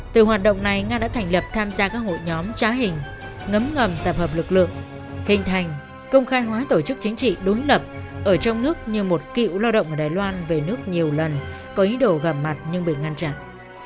từ hoạt động này nga đã thành lập tham gia các hội nhóm trá hình ngấm ngầm tập hợp lực lượng hình thành công khai hóa tổ chức chính trị đối lập ở trong nước như một cựu lao động ở đài loan về nước nhiều lần có ý đồ gặp mặt nhưng bị ngăn chặn